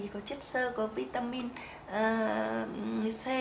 có chất sơ có vitamin c